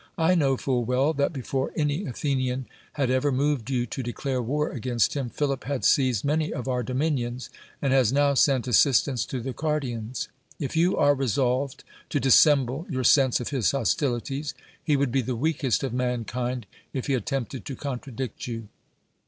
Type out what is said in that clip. I know full well that before any Athenian had ever moved you to declare war against him, Philip had seized many of our dominions, and has now sent assistance to the Cardians. If you are resolved to dissemble your sense of his hostilities, he would be the weakest of mankind if he attempted to contradict you.